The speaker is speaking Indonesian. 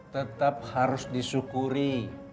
tetap harus disyukuri